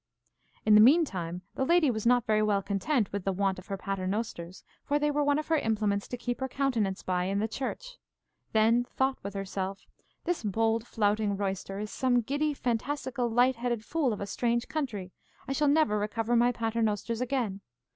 In the meantime the lady was not very well content with the want of her paternosters, for they were one of her implements to keep her countenance by in the church; then thought with herself, This bold flouting roister is some giddy, fantastical, light headed fool of a strange country. I shall never recover my paternosters again.